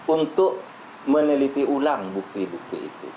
untuk meneliti ulang bukti bukti itu